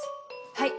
はい。